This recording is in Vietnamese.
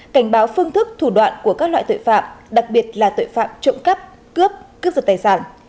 cảnh báo phương thức thủ đoạn của các loại tội phạm đặc biệt là tội phạm trộm cắp cướp cướp giật tài sản